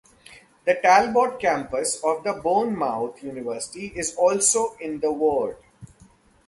The Talbot Campus of the Bournemouth University is also in the ward.